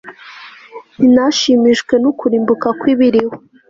ntinashimishwe n'ukurimbuka kw'ibiriho